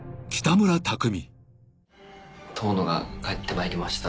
遠野が帰ってまいりました。